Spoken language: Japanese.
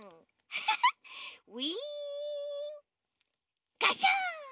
ハハッウインガシャン。